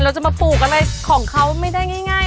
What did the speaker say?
เราจะมาปลูกอะไรของเขาไม่ได้ง่าย